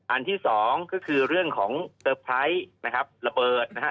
อันที่สองก็คือเรื่องของเตอร์ไพรส์นะครับระเบิดนะฮะ